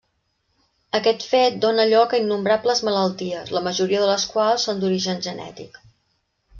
Aquest fet dóna lloc a innombrables malalties, la majoria de les quals són d'origen genètic.